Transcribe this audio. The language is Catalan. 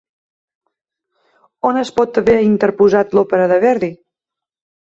On es pot haver interposat l'òpera de Verdi?